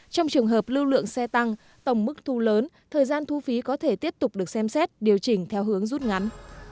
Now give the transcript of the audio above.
trong trường hợp lưu lượng xe tăng tổng mức thu lớn thời gian thu phí có thể tiếp tục được xem xét điều chỉnh theo hướng rút ngắn